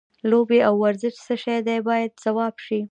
لوبې او ورزش څه شی دی باید ځواب شي.